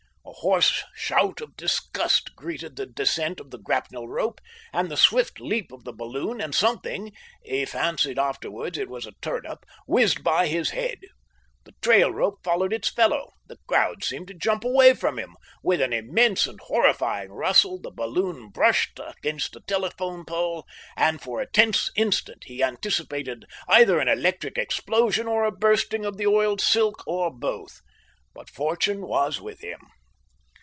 A hoarse shout of disgust greeted the descent of the grapnel rope and the swift leap of the balloon, and something he fancied afterwards it was a turnip whizzed by his head. The trail rope followed its fellow. The crowd seemed to jump away from him. With an immense and horrifying rustle the balloon brushed against a telephone pole, and for a tense instant he anticipated either an electric explosion or a bursting of the oiled silk, or both. But fortune was with him.